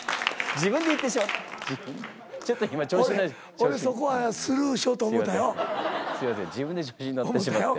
自分で調子に乗ってしまって。